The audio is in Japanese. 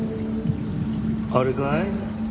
あれかい？